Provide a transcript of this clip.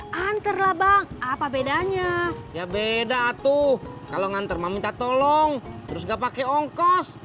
ngantar lah bang apa bedanya ya beda tuh kalau ngantar meminta tolong terus gak pakai ongkos